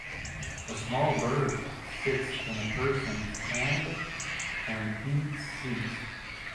A small bird sits in a person 's hand and eats seeds.